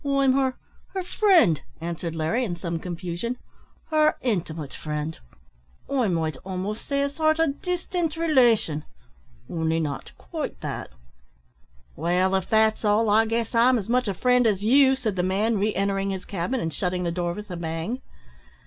"I'm her her friend," answered Larry, in some confusion; "her intimate friend; I might almost say a sort o' distant relation only not quite that." "Wall, if that's all, I guess I'm as much a friend as you," said the man, re entering his cabin, and shutting the door with a bang.